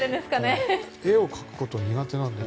僕、絵を描くこと苦手なので。